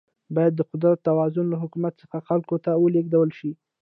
باید د قدرت توازن له حکومت څخه خلکو ته ولیږدول شي.